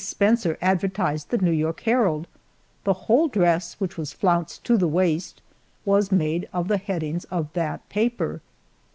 Spencer advertised the New York Herald; the whole dress, which was flounced to the waist, was made of the headings of that paper.